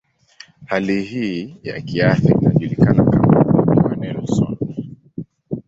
Hali hii ya kiafya inajulikana kama ugonjwa wa Nelson.